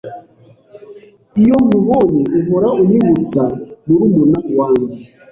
Iyo nkubonye, uhora unyibutsa murumuna wanjye.